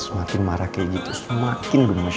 semakin marah kayak gitu semakin gemuk